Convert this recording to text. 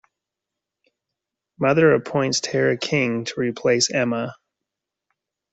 Mother appoints Tara King to replace Emma.